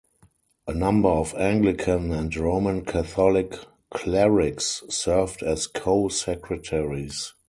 A number of Anglican and Roman Catholic clerics served as co-secretaries.